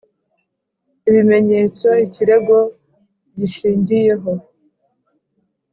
ibimenyetso ikirego gishingiyeho